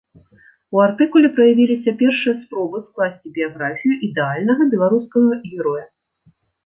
У артыкуле праявіліся першыя спробы скласці біяграфію ідэальнага беларускага героя.